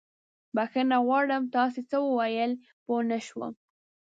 بښنه غواړم، تاسې څه وويل؟ پوه نه شوم.